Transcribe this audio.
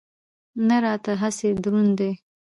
نه راته هسې دروند دی.